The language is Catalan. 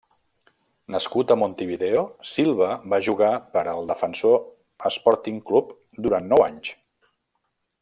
Nascut a Montevideo, Silva va jugar per al Defensor Sporting Club durant nou anys.